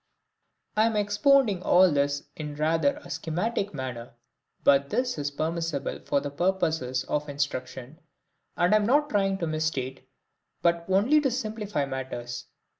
I am expounding all this in rather a schematic manner, but this is permissible for purposes of instruction, and I am not trying to misstate, but only to simplify matters.